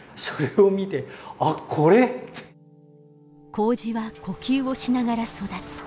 麹は呼吸をしながら育つ。